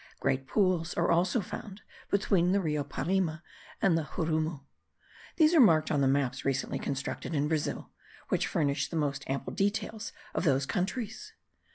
Great pools are also found between the Rio Parima and the Xurumu. These are marked on the maps recently constructed in Brazil, which furnish the most ample details of those countries.